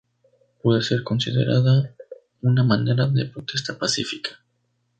Puede ser considerada una manera de protesta pacífica.